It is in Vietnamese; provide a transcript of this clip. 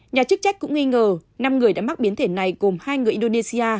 nhà chức trách cũng nghi ngờ năm người đã mắc biến thể này gồm hai người indonesia